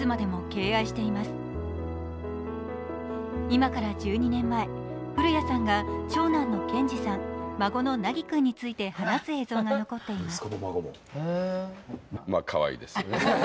今から１２年前、古谷さんが長男の建志さん、孫の凪君について話す映像が残っています。